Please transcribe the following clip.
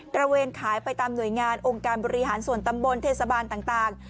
ระเวนขายไปตามหน่วยงานองค์การบริหารส่วนตำบลเทศบาลต่าง